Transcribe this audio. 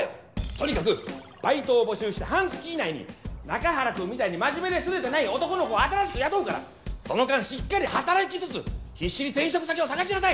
とにかくバイトを募集して半月以内に中原くんみたいに真面目ですれてない男の子を新しく雇うからその間しっかり働きつつ必死に転職先を探しなさい！